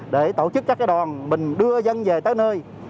để tổ chức các cái đòn mình đưa dân về tới nơi